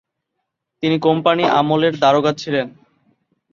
তিনি কোম্পানি আমলের দারোগা ছিলেন।